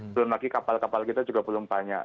belum lagi kapal kapal kita juga belum banyak